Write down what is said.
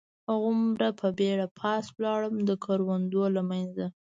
هغومره په بېړه پاس ولاړم، د کروندو له منځه.